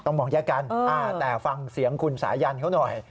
มองแยกกันแต่ฟังเสียงคุณสายันเขาหน่อย